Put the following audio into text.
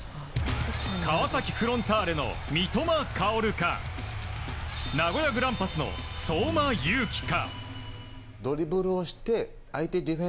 川崎フロンターレの三笘薫か名古屋グランパスの相馬勇紀か。